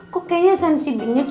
kok kayaknya sensi bingit